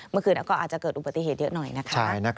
เมื่อคืนก็อาจจะเกิดอุบัติเหตุเยอะหน่อยนะคะ